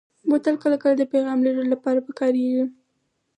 بوتل کله کله د پیغام لېږلو لپاره کارېږي.